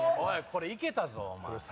これいけたぞお前。